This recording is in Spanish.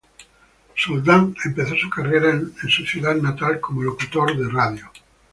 Soldán empezó su carrera en su ciudad natal como locutor de radio.